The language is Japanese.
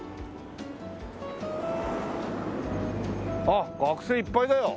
あっ学生いっぱいだよ。